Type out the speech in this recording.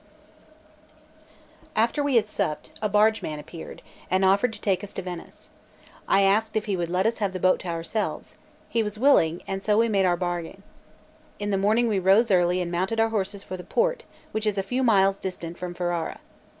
LXXVII AFTER we had supped, a barge man appeared, and offered to take us to Venice. I asked if he would let us have the boat to ourselves; he was willing, and so we made our bargain. In the morning we rose early, and mounted our horses for the port, which is a few miles distant from Ferrara.